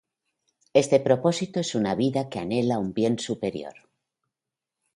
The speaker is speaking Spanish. Este propósito es una vida que anhela un bien superior.